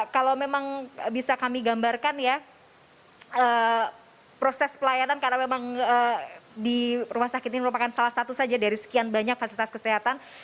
kalau memang bisa kami gambarkan ya proses pelayanan karena memang di rumah sakit ini merupakan salah satu saja dari sekian banyak fasilitas kesehatan